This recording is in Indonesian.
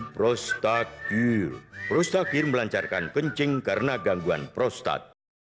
prostatil prostatil melancarkan kencing karena gangguan prostat